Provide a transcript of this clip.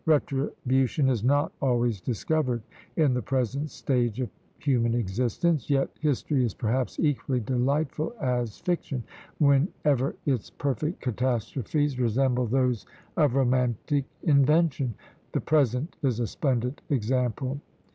Retribution is not always discovered in the present stage of human existence, yet history is perhaps equally delightful as fiction, whenever its perfect catastrophes resemble those of romantic invention. The present is a splendid example.